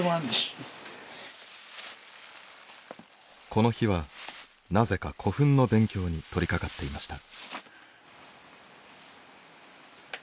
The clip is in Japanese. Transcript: この日はなぜか古墳の勉強に取りかかっていました。